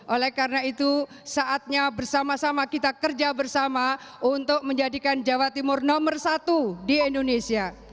oleh karena itu saatnya bersama sama kita kerja bersama untuk menjadikan jawa timur nomor satu di indonesia